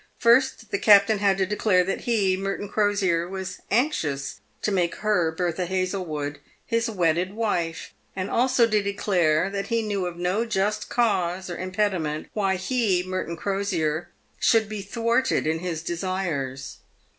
First, the captain had to declare that he, Merton Crosier, was anxious to make her, Bertha Hazlewood, his wedded wife, and also to declare that he knew of no just cause or impediment why he, Merton Crosier, should be thwarted in his desires.